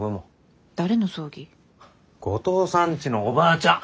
後藤さんちのおばあちゃん。